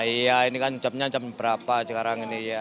iya ini kan jamnya jam berapa sekarang ini ya